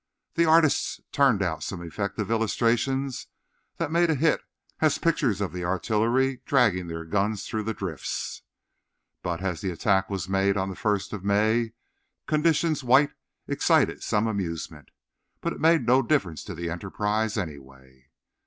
The artists turned out some effective illustrations that made a hit as pictures of the artillery dragging their guns through the drifts. But, as the attack was made on the first day of May, "conditions white" excited some amusement. But it in made no difference to the Enterprise, anyway.